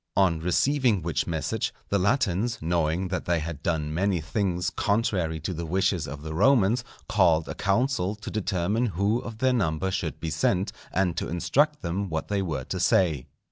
On receiving which message the Latins, knowing that they had done many things contrary to the wishes of the Romans, called a council to determine who of their number should be sent, and to instruct them what they were to say.